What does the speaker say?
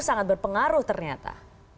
sangat berpengaruh ternyata